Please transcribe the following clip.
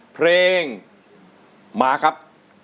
เพลงมาครับ